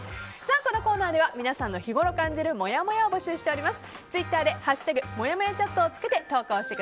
このコーナーでは皆さんの日ごろ感じるもやもやを募集しています。